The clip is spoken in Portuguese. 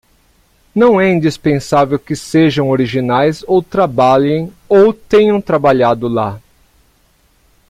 Não é indispensável que sejam originais ou trabalhem ou tenham trabalhado lá.